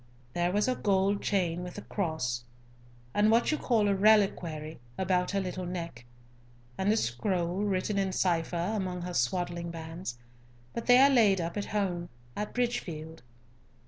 "There was a gold chain with a cross, and what you call a reliquary about her little neck, and a scroll written in cipher among her swaddling bands; but they are laid up at home, at Bridgefield."